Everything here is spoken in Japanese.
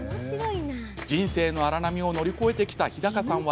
人生の荒波を乗り越えてきた日高さんは。